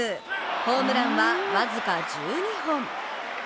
ホームランはわずか１２本。